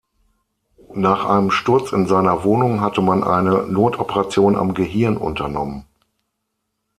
Nach einem Sturz in seiner Wohnung hatte man eine Notoperation am Gehirn unternommen.